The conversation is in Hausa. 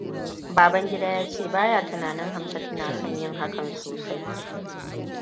Babangida ya ce ba ya tunanin Hamsatu na son yin hakan sosai.